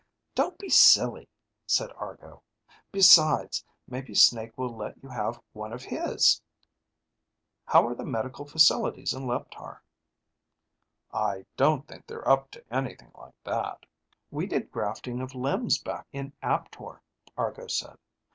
"Don't be silly," said Argo. "Besides, maybe Snake will let you have one of his. How are the medical facilities in Leptar?" "I don't think they're up to anything like that." "We did grafting of limbs back in Aptor," Argo said.